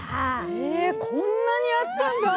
へえこんなにあったんだ。